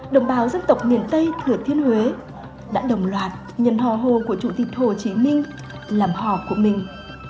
đồng bào dân tập miền tây thừa thiên huế đã đồng loạt nhân hò hồ của chủ tịch hồ chí minh làm họ của mình